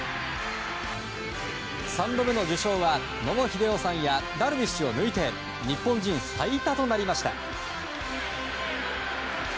３度目の受賞は野茂英雄さんとダルビッシュを抜いて日本人最多となりました。